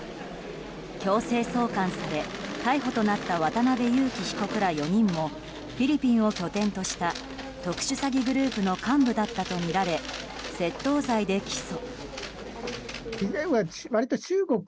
強制送還され逮捕となった渡邉優樹被告ら４人もフィリピンを拠点とした特殊詐欺グループの幹部だったとみられ窃盗罪で起訴。